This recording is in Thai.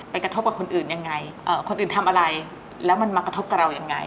กระทบกับคนอื่นยังไงคนอื่นทำอะไรแล้วมันมากระทบกับเรายังไง